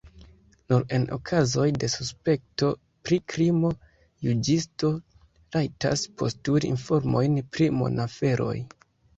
Nur en okazoj de suspekto pri krimo juĝisto rajtas postuli informojn pri monaferoj.